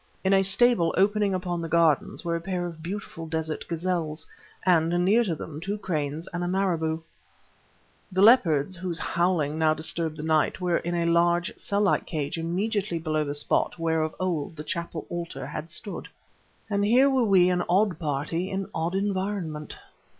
In a stable opening upon the garden were a pair of beautiful desert gazelles, and near to them, two cranes and a marabout. The leopards, whose howling now disturbed the night, were in a large, cell like cage immediately below the spot where of old the chapel alter had stood. And here were we an odd party in odd environment.